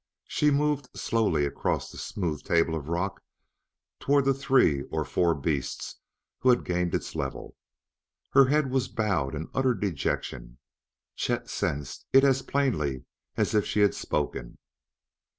She moved slowly across the smooth table of rock toward the three or four beasts who had gained its level. Her head was bowed in utter dejection; Chet sensed it as plainly as if she had spoken.